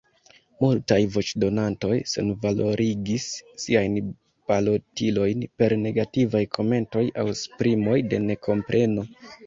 Multaj voĉdonantoj senvalorigis siajn balotilojn per negativaj komentoj aŭ esprimoj de nekompreno.